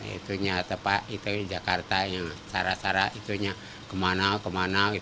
itu nyata pak itu jakarta yang cara cara kemana kemana